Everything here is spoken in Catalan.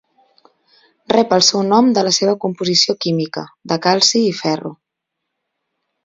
Rep el seu nom de la seva composició química, de calci i ferro.